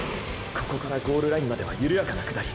ここからゴールラインまでは緩やかな下り。